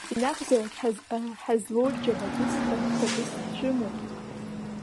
Ианакәзаалак ҳазлоу џьабатәыс, рххатәыс ҳшәымоуп.